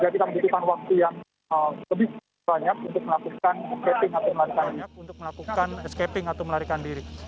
jadi kita membutuhkan waktu yang lebih banyak untuk melakukan escaping atau melarikan diri